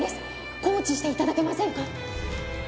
コーチして頂けませんか？